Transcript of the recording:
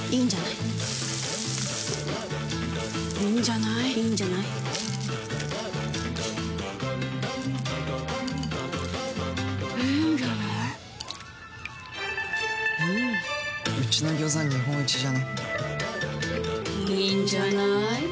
いいんじゃない？